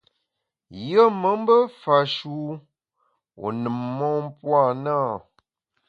Yùe me mbe fash’e wu wu nùm mon puo a na ?